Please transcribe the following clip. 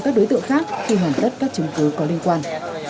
các đối tượng khác khi hoàn tất các chứng cứ có liên quan